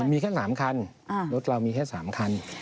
มีแค่๓คันรถเรามีแค่๓คัน